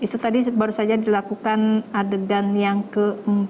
itu tadi baru saja dilakukan adegan yang ke empat